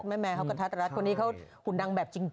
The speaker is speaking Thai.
แมร์แมร์เค้าก็ทัดรัสคนนี้เขาหุ่นนางแบบจริง